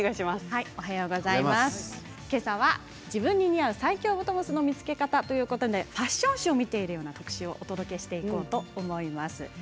けさは自分に似合う最強ボトムスの見つけ方ということでファッション誌を見ているような特集をお届けします。